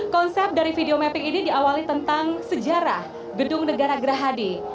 konsep dari video mapping ini diawali tentang sejarah gedung negara gerahadi